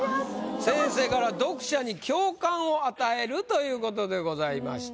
先生から「読者に共感を与える」ということでございました。